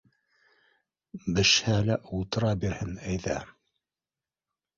— Бешһә лә ултыра бирһен, әйҙә.